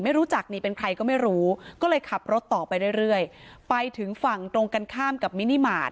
ไม่รู้จักนี่เป็นใครก็ไม่รู้ก็เลยขับรถต่อไปเรื่อยเรื่อยไปถึงฝั่งตรงกันข้ามกับมินิมาตร